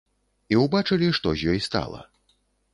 І ўбачылі, што з ёй стала.